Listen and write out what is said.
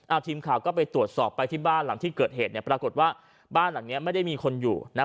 เอาทีมข่าวก็ไปตรวจสอบไปที่บ้านหลังที่เกิดเหตุเนี่ยปรากฏว่าบ้านหลังเนี้ยไม่ได้มีคนอยู่นะ